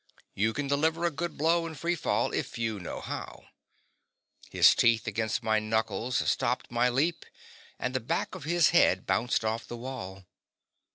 You can deliver a good blow in free fall, if you know how. His teeth against my knuckles stopped my leap, and the back of his head bounced off the wall.